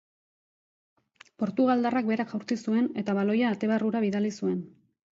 Portugaldarrak berak jaurti zuen, eta baloia ate barrura bidali zuen.